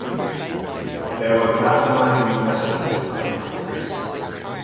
There were galvanizing precedents in other countries.